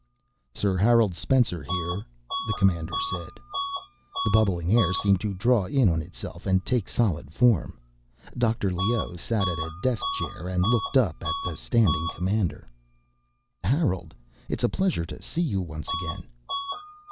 "Sir Harold Spencer here," the commander said. The bubbling air seemed to draw in on itself and take solid form. Dr. Leoh sat at a desk chair and looked up at the standing commander. "Harold, it's a pleasure to see you once again."